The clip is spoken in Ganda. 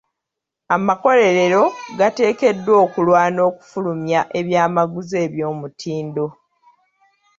Amakolerero gateekeddwa okulwana okufulumya ebyamaguzi eby'omutindo.